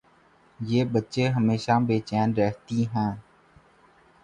یہ بچے ہمیشہ بے چین رہتیں ہیں